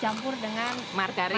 campur dengan margarin